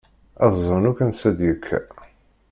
Ad ẓṛen akk ansa i d-yekka.